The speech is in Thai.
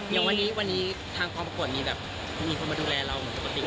อย่างวันนี้ทางกองประกวดมีแบบมีคนมาดูแลเราเหมือนปกติ